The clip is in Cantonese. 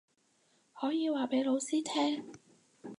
可以話畀老師聽